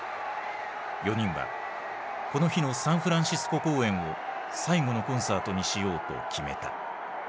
４人はこの日のサンフランシスコ公演を最後のコンサートにしようと決めた。